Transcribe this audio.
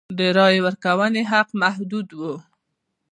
د رایې ورکونې حق محدود و.